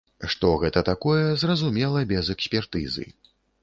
Што гэта такое, зразумела без экспертызы.